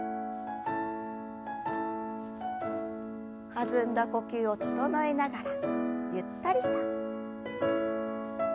弾んだ呼吸を整えながらゆったりと。